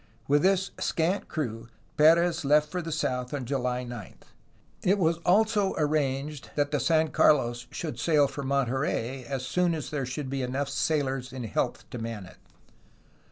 With this scant crew Perez left for the south on July 9. It was also arranged that the San Carlos should sail for Monterey as soon as there should be enough sailors in health to man it.